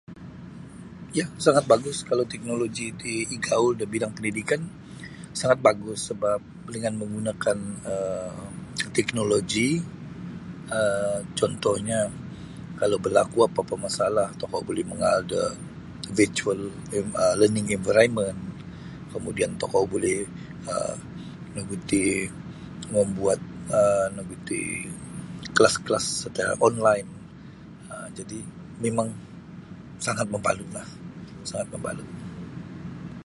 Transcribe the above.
Ya sangat bagus kalau teknoloji ti igaul da bidang pendidikan sangat bagus sebap dengan menggunakan um teknoloji um cuntuhnya kalau balaku apa-apa masalah tokou buli mangaal da virtual learning environment kemudian tokou buli nu ogu ti membuat um nu ogu ti um kelas-kelas secara online jadi mimang sangat mabalutlah sangat mabalut.